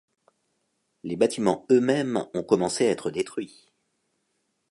Les bâtiments eux-mêmes ont commencé à être détruits.